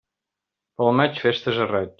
Pel maig, festes a raig.